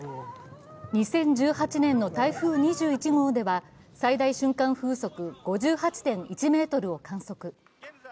２０１８年の台風２１号では最大瞬間風速５８．１メートルを観測。